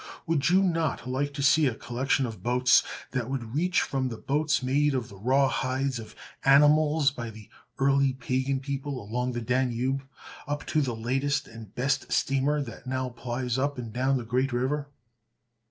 Would you not like to see a collection of boats that would reach from the boats made of the raw hides of animals by the earlier pagan people along the Danube, up to the latest and best steamer that now plies up and down that great river?